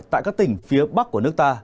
tại các tỉnh phía bắc của nước ta